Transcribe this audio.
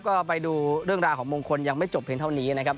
ก็ไปดูเรื่องราวของมงคลยังไม่จบเพียงเท่านี้นะครับ